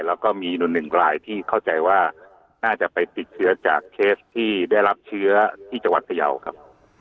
แล้วก็มีหนึ่งรายที่เข้าใจว่าน่าจะไปติดเชื้อจากเคสที่ได้รับเชื้อที่จังหวัดพยาวครับ